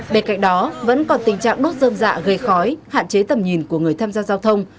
bên cạnh đó vẫn còn tình trạng đốt dâm dạ gây khói hạn chế tầm nhìn của người tham gia giao thông